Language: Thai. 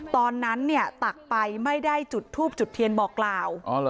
ตอนนั้นเนี่ยตักไปไม่ได้จุดทูบจุดเทียนบอกกล่าว